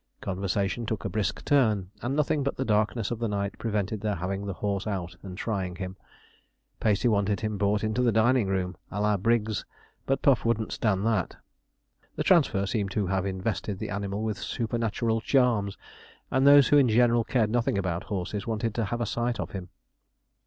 Conversation took a brisk turn, and nothing but the darkness of the night prevented their having the horse out and trying him. Pacey wanted him brought into the dining room, à la Briggs, but Puff wouldn't stand that. The transfer seemed to have invested the animal with supernatural charms, and those who in general cared nothing about horses wanted to have a sight of him.